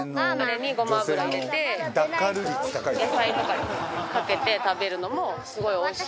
野菜とかにかけて食べるのもすごいおいしい。